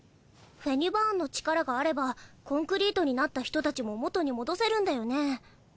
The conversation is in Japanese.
フェニバーンの力があればコンクリートになった人たちも元に戻せるんだよね？